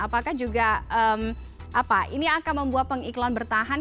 apakah juga ini akan membuat pengiklan bertahan